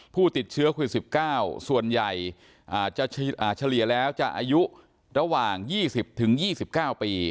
ผู้ติดเชื้อโควิด๑๙ส่วนใหญ่จะเฉลี่ยแล้วจะอายุระหว่าง๒๐๒๙ปี